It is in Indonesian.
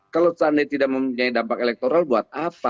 kalau seandainya tidak mempunyai dampak elektoral buat apa